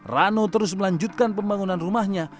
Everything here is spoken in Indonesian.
rano terus melanjutkan pembangunan rumahnya